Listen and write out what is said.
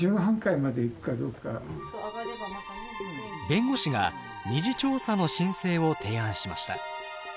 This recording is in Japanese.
弁護士が２次調査の申請を提案しました。